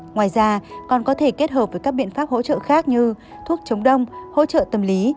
ngoài ra còn có thể kết hợp với các biện pháp hỗ trợ khác như thuốc chống đông hỗ trợ tâm lý